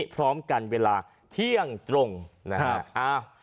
พร้อมกันเวลาเที่ยงตรงนะฮะ